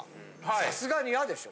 さすがに嫌でしょ？